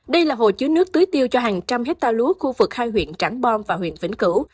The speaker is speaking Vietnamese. đây là hồ chứa nước tưới tiêu cho hàng trăm hectare lúa khu vực hai huyện trảng bom và huyện vĩnh cửu